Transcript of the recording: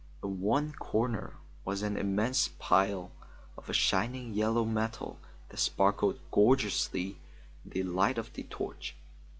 In one corner was an immense pile of a shining yellow metal that sparkled gorgeously in the light of the torch.